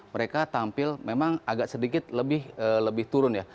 mereka tampil memang agak sedikit lebih turun ya